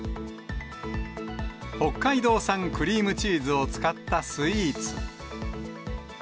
北海道産クリームチーズを使ったスイーツ。